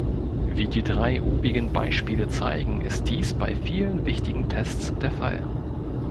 Wie die drei obigen Beispiele zeigen ist dies bei vielen wichtigen Tests der Fall.